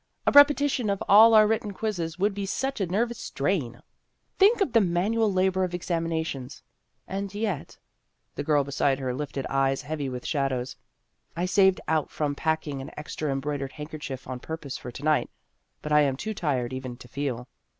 A repetition of all our written quizzes would be such a nervous strain. Think of the manual labor of examinations ! And yet The girl beside her lifted eyes heavy with shadows. " I saved out from pack ing an extra embroidered handkerchief on purpose for to night, but I am too tired even to feel."